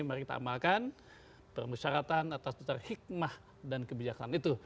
mari kita amalkan permusyaratan atas dasar hikmah dan kebijakan itu